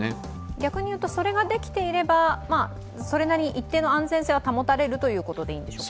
逆にいうと、それができていればそれなりに一定の安全性は保たれるということでしょうか？